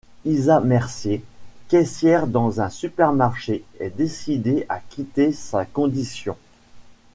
Isa Mercier, caissière dans un supermarché est décidée à quitter sa conditon.